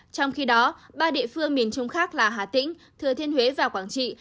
trong khi đó ba địa phương miền trung khác là hà tĩnh thừa thiên huế và quảng trị